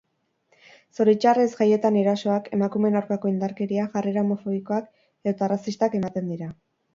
Zoritxarrez, jaietan erasoak, emakumeen aurkako indarkeria, jarrera homofobikoak edota arrazistak ematen dira.